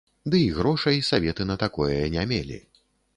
Дый грошай саветы на такое не мелі.